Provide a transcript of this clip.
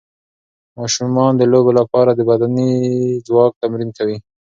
ماشومان د لوبو له لارې د بدني ځواک تمرین کوي.